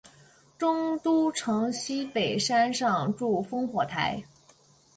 中都城西北山上筑烽火台。